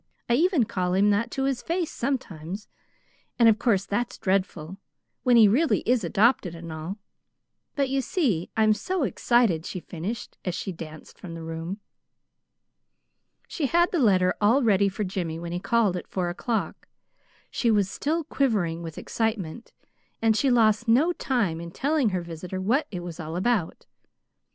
I even call him that to his face, sometimes, and of course that's dreadful, when he really is adopted, and all. But you see I'm so excited," she finished, as she danced from the room. She had the letter all ready for Jimmy when he called at four o'clock. She was still quivering with excitement, and she lost no time in telling her visitor what it was all about.